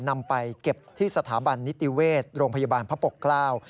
นำไปเก็บที่สถาบันนิติเวชโรงพยาบาลพระปกเกล้า